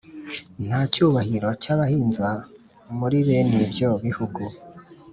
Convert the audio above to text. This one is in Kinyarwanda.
nta cyubahiro cy’abahinza muri bene ibyo bihugu.